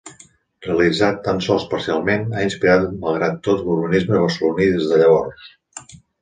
Realitzat tan sols parcialment, ha inspirat malgrat tot l'urbanisme barceloní des de llavors.